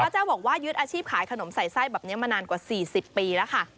เจ้าบอกว่ายึดอาชีพขายขนมใส่ไส้แบบนี้มานานกว่า๔๐ปีแล้วค่ะ